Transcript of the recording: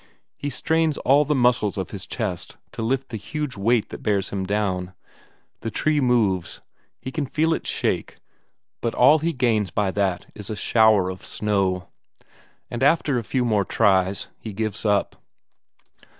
He strains all the muscles of his chest to lift the huge weight that bears him down; the tree moves, he can feel it shake, but all he gains by that is a shower of snow. And after a few more tries, he gives up.